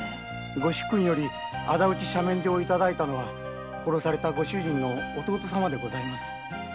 御主君より仇討ち赦免状をいただいたのは殺されたご主人の弟様でございます。